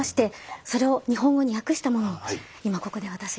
それを日本語に訳したものを今ここで私が代読させて頂きます。